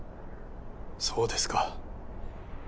そうですか。